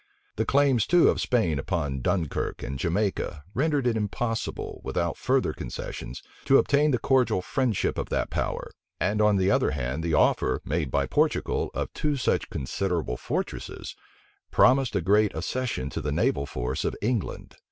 The claims, too, of Spain upon Dunkirk and Jamaica, rendered it impossible, without further concessions, to obtain the cordial friendship of that power; and on the other hand, the offer, made by Portugal, of two such considerable fortresses, promised a great accession to the naval force of England.